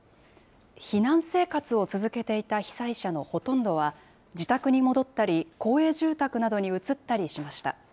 避難生活を続けていた被災者のほとんどは、自宅に戻ったり、公営住宅などに移ったりしました。